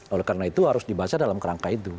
oleh karena itu harus dibaca dalam kerangka itu